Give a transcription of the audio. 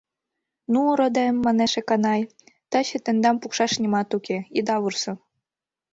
— Ну, родем, — манеш Эканай, — таче тендам пукшаш нимат уке, ида вурсо.